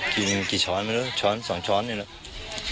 กินกี่ช้อนไม่รู้ช้อน๒ช้อนเนี่ยนะ